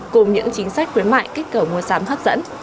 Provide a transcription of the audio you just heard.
cùng những chính sách khuyến mại kích cầu mua sắm hấp dẫn